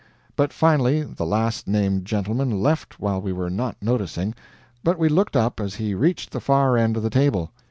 But finally the last named gentleman left while we were not noticing, but we looked up as he reached the far end of the table.